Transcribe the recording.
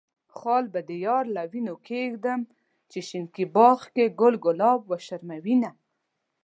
خال به د يار له وينو کيږدم، چې شينکي باغ کې ګل ګلاب وشرموينه.